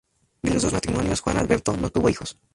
De los dos matrimonios, Juan Alberto no tuvo hijos.